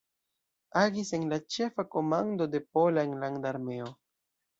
Agis en la Ĉefa Komando de Pola Enlanda Armeo.